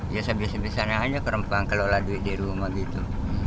ya sebisanya bisanya aja ke rempang kelola duit di rumah gitu